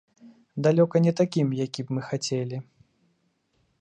Далёка не такім, які б мы хацелі.